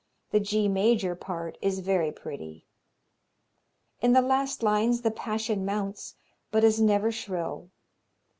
The G major part is very pretty. In the last lines the passion mounts, but is never shrill.